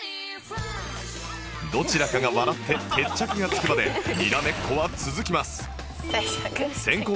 どちらかが笑って決着がつくまでにらめっこは続きます